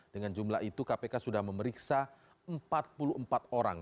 dengan jumlah itu kpk sudah memeriksa empat puluh empat orang